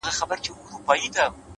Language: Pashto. د باران وروسته هوا یو ډول سپکوالی لري؛